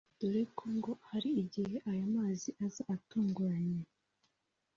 dore ko ngo hari igihe aya mazi aza atunguranye